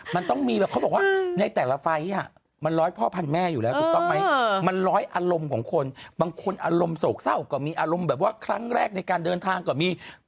มันต้องมีแบบเขาบอกว่าในแต่ละไฟล์มันร้อยพ่อพันแม่อยู่แล้วถูกต้องไหมมันร้อยอารมณ์ของคนบางคนอารมณ์โศกเศร้าก็มีอารมณ์แบบว่าครั้งแรกในการเดินทางก็มี